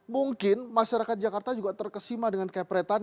mungkin masyarakat jakarta juga terkesima dengan kepretan